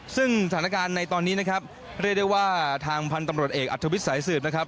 ซึ่งสถานการณ์ในตอนนี้นะครับเรียกได้ว่าทางพันธุ์ตำรวจเอกอัธวิทย์สายสืบนะครับ